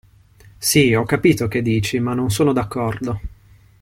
Sì, ho capito che dici, ma non sono d'accordo.